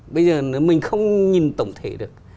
bây giờ nếu mình không nhìn tổng thể được